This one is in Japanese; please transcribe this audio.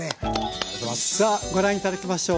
さあご覧頂きましょう。